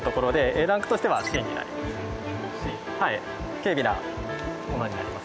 軽微なものになります。